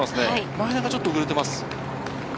前田がちょっと遅れています。